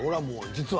実は。